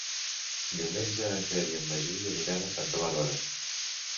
Diumenge en Quer i en Magí aniran a Santa Bàrbara.